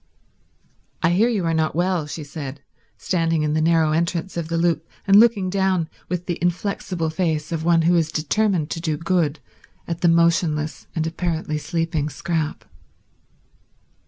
"I hear you are not well," she said, standing in the narrow entrance of the loop and looking down with the inflexible face of one who is determined to do good at the motionless and apparently sleeping Scrap.